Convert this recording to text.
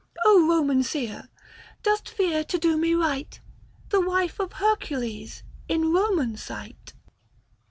Koman seer, dost fear to do me right, The wife of Hercules, in Eoman sight